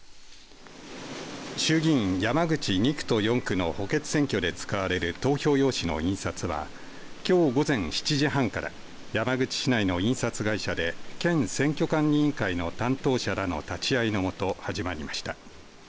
衆議院山口２区と４区の補欠選挙で使われる投票用紙の印刷はきょう午前７時半から山口市内の印刷会社で県選挙管理委員会の担当者らの立ち会いの下、始まりました。